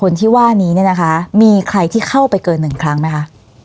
คนที่ว่านี้เนี่ยนะคะมีใครที่เข้าไปเกินหนึ่งครั้งไหมคะ